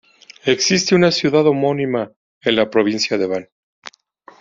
Existe una ciudad homónima en la provincia de Van.